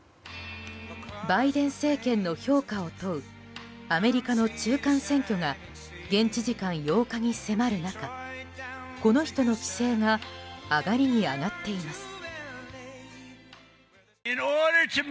バイデン政権の評価を問うアメリカの中間選挙が現地時間８日に迫る中この人の気勢が上がりに上がっています。